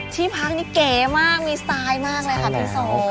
ที่พักนี้เก๋มากมีสไตล์มากเลยค่ะพี่โซ